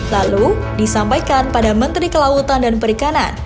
lalu disampaikan pada menteri kelautan dan perikanan